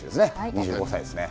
２５歳ですね。